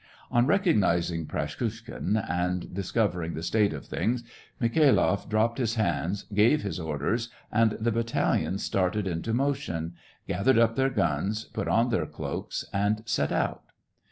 On recognizing Praskukhin and discovering the state of things, Mikhailoff dropped his hand, gave his orders, and the battalion started into motion, 88 SEVASTOPOL IN MAY. gathered up their guns, put on their cloaks, and set out.